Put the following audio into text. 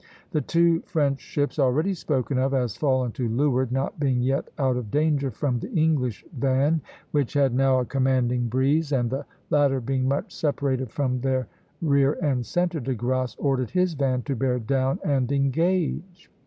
The two French ships, already spoken of as fallen to leeward, not being yet out of danger from the English van, which had now a commanding breeze, and the latter being much separated from their rear and centre, De Grasse ordered his van to bear down and engage.